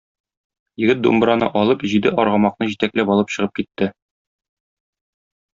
Егет думбраны алып, җиде аргамакны җитәкләп алып чыгып китте.